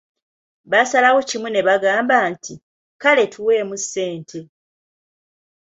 Baasalawo kimu ne bagamba nti:"kale atuweemu ssente"